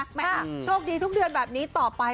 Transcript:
แม่โชคดีทุกเดือนแบบนี้ต่อไป